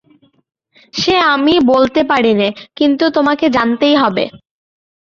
সে আমি বলতে পারি নে, কিন্তু আমাকে জানতেই হবে।